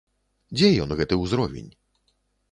Дзе ён, гэты ўзровень?